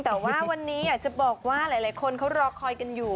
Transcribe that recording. แต่ว่าวันนี้อยากจะบอกว่าหลายคนเขารอคอยกันอยู่